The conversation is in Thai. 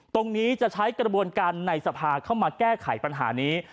ตรงนี้จะใช้กระบวนการในสภาเข้ามาแก้ไขปัญหานี้